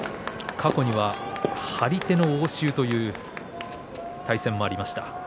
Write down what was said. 過去には張り手の応酬という対戦もありました。